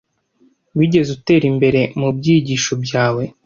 Wigeze utera imbere mubyigisho byawe?